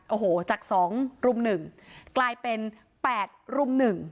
โอ้โหจากสองรุ่มหนึ่งกลายเป็น๘รุ่มหนึ่ง